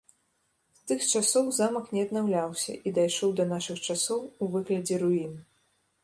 З тых часоў замак не аднаўляўся і дайшоў да нашых часоў у выглядзе руін.